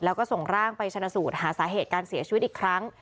แล้วก็ส่งร่างไปชนะสูตรหาสาเหตุการเสียชีวิตอีกครั้ง